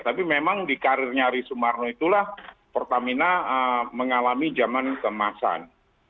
tapi memang di karirnya ari sumarno itulah pertamina mengalami zaman kemasan